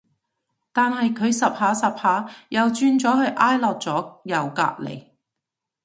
但係佢恰下恰下又轉咗去挨落咗右隔離